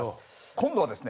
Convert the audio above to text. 今度はですね